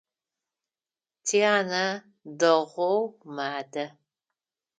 Тянэ дэгъоу мадэ.